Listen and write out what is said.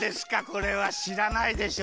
これはしらないでしょ？